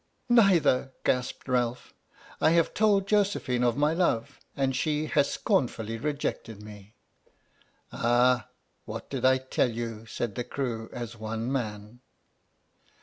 " Neither," gasped Ralph. " I have told Josephine of my love, and she has scornfully rejected me!" "Ah! what did I tell you!" said the crew, as one man.